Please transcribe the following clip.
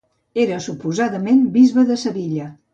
Era suposadament bisbe de Sevilla.